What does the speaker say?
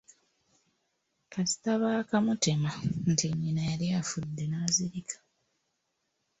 Kasita baakamutema nti nnyina yali afudde n’azirirka.